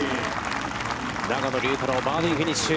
永野竜太郎、バーディーフィニッシュ。